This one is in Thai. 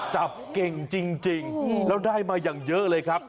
จับเก่งจริงแล้วได้มาอย่างเยอะเลยครับ